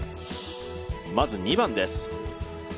まず２番です。